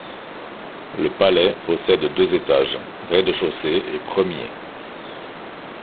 Le palais possède deux étages, rez-de-chaussée et premier.